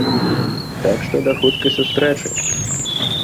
Так што да хуткай сустрэчы!